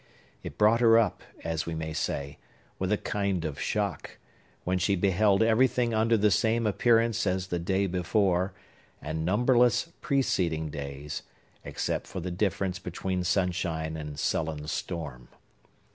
It brought her up, as we may say, with a kind of shock, when she beheld everything under the same appearance as the day before, and numberless preceding days, except for the difference between sunshine and sullen storm.